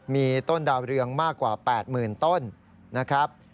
มีต้นดาวเรืองมากกว่า๘๐๐๐ต้นนะครับ